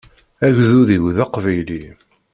Agdud-iw d aqbayli.